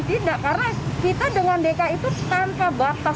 tidak karena kita dengan dki itu tanpa batas